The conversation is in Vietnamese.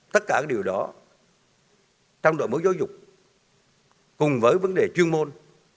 tất cả điều đó trong đội ngũ giáo dục cùng với vấn đề chuyên môn